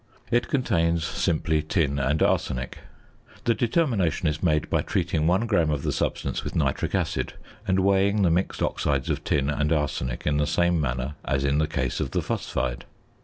It contains simply tin and arsenic. The determination is made by treating 1 gram of the substance with nitric acid and weighing the mixed oxides of tin and arsenic in the same manner as in the case of the phosphide.